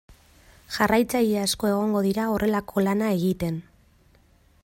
Jarraitzaile asko egongo dira horrelako lana egiten.